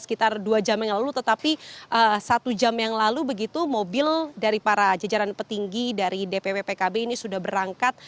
sekitar dua jam yang lalu tetapi satu jam yang lalu begitu mobil dari para jajaran petinggi dari dpw pkb ini sudah berangkat